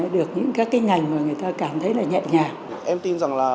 được những các cái ngành mà người ta cảm thấy là nhẹ nhàng